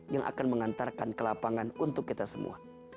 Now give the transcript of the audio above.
yang akan mengantarkan ke lapangan untuk kita semua